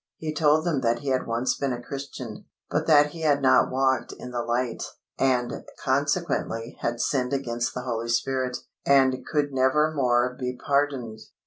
He told them that he had once been a Christian, but that he had not walked in the light, and, consequently, had sinned against the Holy Spirit, and could never more be pardoned.